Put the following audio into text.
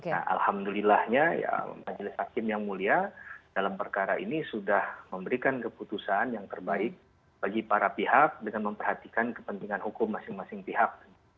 nah alhamdulillahnya majelis hakim yang mulia dalam perkara ini sudah memberikan keputusan yang terbaik bagi para pihak dengan memperhatikan kepentingan hukum masing masing pihak